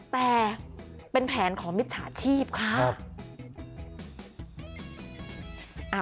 แต่เป็นแผนของมิจฉาชีพค่ะ